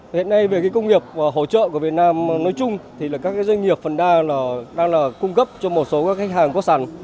hiện nay về công nghiệp hỗ trợ của việt nam nói chung các doanh nghiệp phần đa đang cung cấp cho một số khách hàng có sản